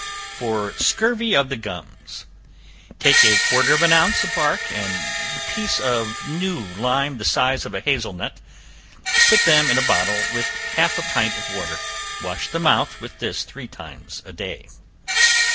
For Scurvy of the Gums. Take a quarter of an ounce of bark, and a piece of new lime the size of a hazle nut; put them in a bottle with half a pint of water; wash the mouth with this three times a day.